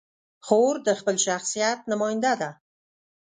خور د خپل شخصیت نماینده ده.